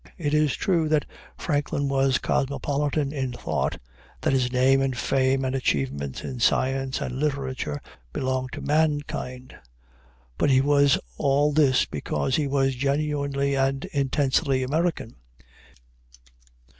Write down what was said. It is true that Franklin was cosmopolitan in thought, that his name and fame and achievements in science and literature belonged to mankind; but he was all this because he was genuinely and intensely American.